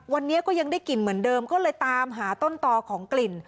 วันนี้ก็ยังได้กลิ่นเหมือนเดิมก็เลยตามหาต้นต่อของกลิ่น